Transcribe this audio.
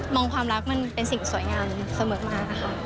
ความรักมันเป็นสิ่งสวยงามเสมอมานะคะ